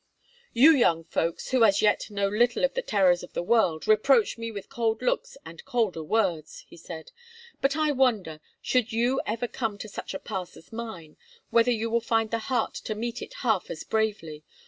"You young folk, who as yet know little of the terrors of the world, reproach me with cold looks and colder words," he said; "but I wonder, should you ever come to such a pass as mine, whether you will find the heart to meet it half as bravely?